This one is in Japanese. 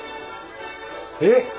えっ！